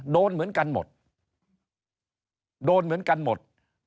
โดนเหมือนกันหมดโดนเหมือนกันหมด